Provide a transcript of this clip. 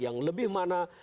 yang lebih mana